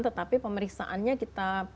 tetapi pemeriksaannya kita